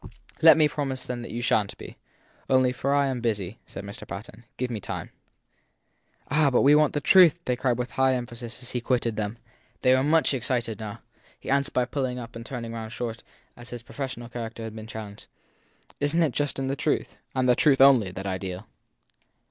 Let me promise you then that you shan t be. Only, for I am busy, said Mr. Patten, give me time. 254 THE THIRD PERSON Ah, but we want the truth! they cried with high emphasis as he quitted them. They were much excited now. He answered by pulling up and turning round as short as if his professional character had been challenged. Isn t it just in the truth and the truth only that I deal?